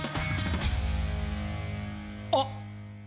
あっ！